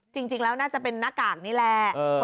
จริงแล้วน่าจะเป็นหน้ากากนี่แหละ